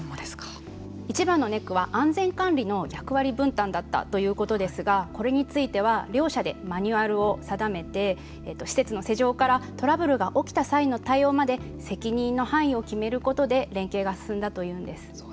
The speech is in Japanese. いちばんのネックは安全管理の役割分担だったということですがこれについては両者でマニュアルを定めて施設の施錠からトラブルが起きた際の対応まで責任の範囲を決めることで連携が進んだというんです。